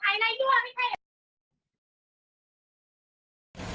ใครคิดถ่ายในดั่วไม่ใช่เหรอ